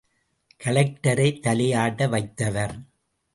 கலெக்டரை தலையாட்ட வைத்தவர்.